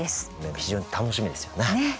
非常に楽しみですよね。